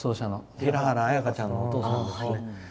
平原綾香ちゃんのお父さんですね。